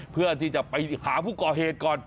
เพื่อที่จะไปหาผู้ก่อเหตุก่อน